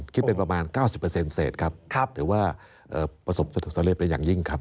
คิดเป็นประมาณ๙๐เศษครับถือว่าประสบสำเร็จได้อย่างยิ่งครับ